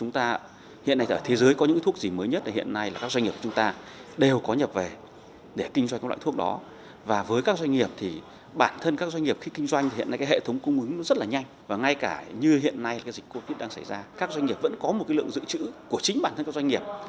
tại cả như hiện nay dịch covid đang xảy ra các doanh nghiệp vẫn có một lượng dự trữ của chính bản thân các doanh nghiệp